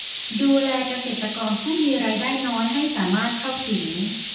ดูแลเกษตรกรผู้มีรายได้น้อยให้สามารถเข้าถึง